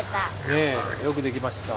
ねえよくできました！